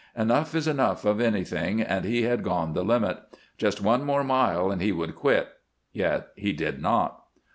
Enough is enough of anything and he had gone the limit. Just one more mile and he would quit; yet he did not.